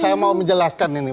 saya mau menjelaskan ini